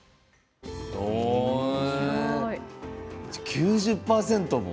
９０％も？